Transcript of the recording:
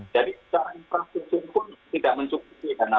jadi secara infrastruktur pun tidak mencukupi dana